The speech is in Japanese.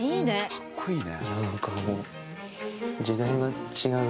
かっこいいね。